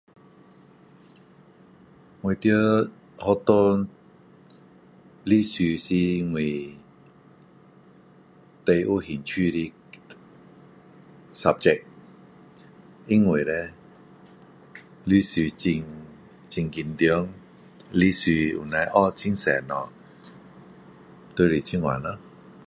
我在学校历史是我最有兴趣的 subject 因为叻历史很紧张历史能够学很多东西就是这样咯